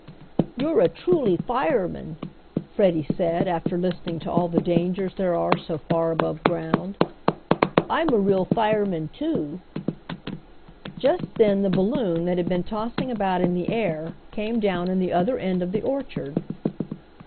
"You're a truly fireman!" Freddie said, after listening to all the dangers there are so far above ground. "I'm a real fireman too!" Just then the balloon that had been tossing about in the air came down in the other end of the orchard.